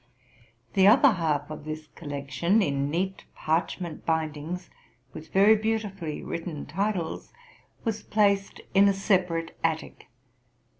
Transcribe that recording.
The other half of this collection, in neat parchment bind ings, with very beautifully written titles, was placed in a separate attic.